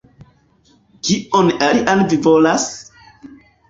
Kion alian vi volas?